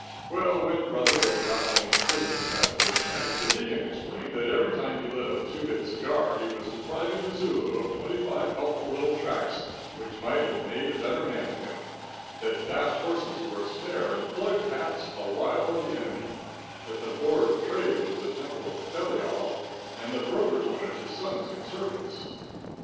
Well, when Brother Bill got home from business that first night, the Deacon explained that every time he lit a two bit cigar he was depriving a Zulu of twenty five helpful little tracts which might have made a better man of him; that fast horses were a snare and plug hats a wile of the Enemy; that the Board of Trade was the Temple of Belial and the brokers on it his sons and servants.